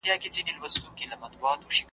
اوس په ښار كي دا نااهله حكمران دئ .